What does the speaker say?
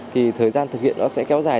thì thời gian thực hiện nó sẽ kéo dài